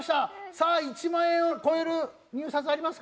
さあ１万円を超える入札はありますか？